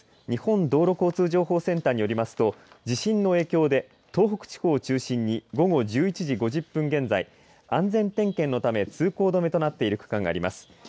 日本道路交通情報センターによりますと地震の影響で東北地方を中心に午後１１時５０分現在安全点検のため通行止めとなっている区間があります。